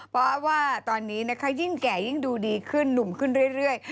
เพราะว่าตอนนี้นะคะยิ่งแก่ยิ่งดูดีขึ้นหนุ่มขึ้นเรื่อย